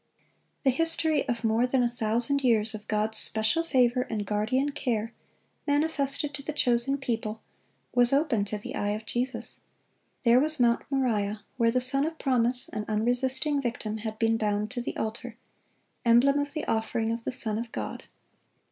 The history of more than a thousand years of God's special favor and guardian care, manifested to the chosen people, was open to the eye of Jesus. There was Mount Moriah, where the son of promise, an unresisting victim, had been bound to the altar,—emblem of the offering of the Son of God.